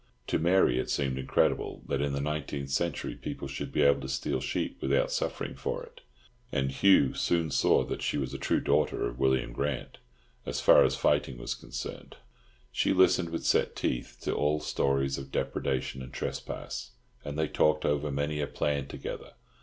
To Mary it seemed incredible that in the nineteenth century people should be able to steal sheep without suffering for it; and Hugh soon saw that she was a true daughter of William Grant, as far as fighting was concerned. She listened with set teeth to all stories of depredation and trespass, and they talked over many a plan together.